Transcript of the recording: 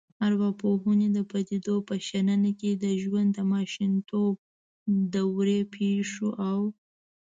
ارواپوهنې د پديدو په شننه کې د ژوند د ماشومتوب دورې پیښو او